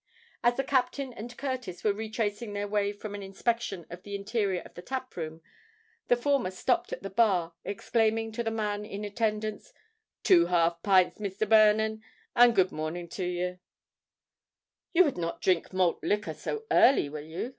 As the captain and Curtis were retracing their way from an inspection of the interior of the tap room, the former stopped at the bar, exclaiming to the man in attendance, "Two half pints, Misther Vernon—and good mornin' to ye." "You would not drink malt liquor so early, will you?"